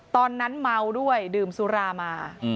ตอนนั้นเมาด้วยดื่มสุรามา